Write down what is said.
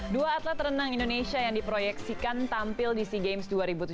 dua atlet renang indonesia yang diproyeksikan tampil di sea games dua ribu tujuh belas